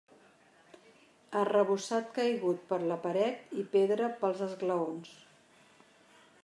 Arrebossat caigut per la paret i pedra pels esglaons.